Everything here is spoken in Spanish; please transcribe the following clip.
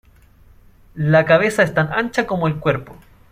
La cabeza es tan ancha como el cuerpo.